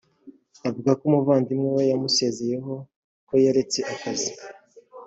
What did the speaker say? uvuga ko umuvandimwe we yamusezeyeho ko yaretse akazi